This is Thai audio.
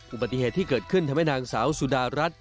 อุบัติเหตุที่เกิดขึ้นทำให้นางสาวสุดารัฐ